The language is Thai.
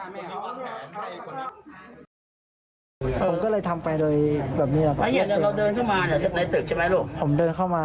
ผมก็เลยทำไปโดยแบบนี้